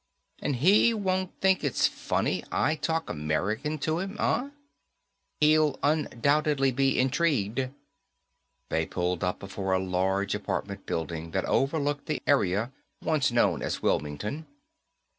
"And he won't think it's funny I talk American to him, eh?" "He'll undoubtedly be intrigued." They pulled up before a large apartment building that overlooked the area once known as Wilmington.